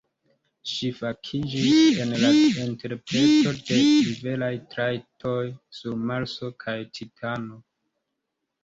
Ŝi fakiĝis en la interpreto de riveraj trajtoj sur Marso kaj Titano.